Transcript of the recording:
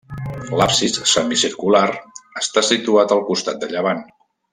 L'absis, semicircular està situat al costat de llevant.